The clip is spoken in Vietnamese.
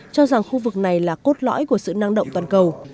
cho rằng khu vực này là cốt lõi của sự năng động toàn cầu